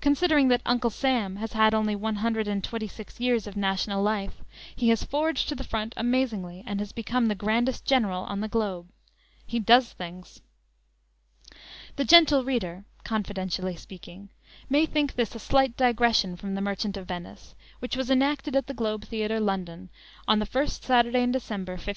Considering that "Uncle Sam" has had only one hundred and twenty six years of national life, he has forged to the front amazingly, and has become the grandest "General" on the globe! He does things! The "gentle reader" (confidentially speaking) may think this a slight digression from the "Merchant of Venice," which was enacted at the Globe Theatre, London, on the first Saturday in December, 1599.